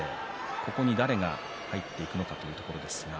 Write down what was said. ここに誰が入っていくのかというところです。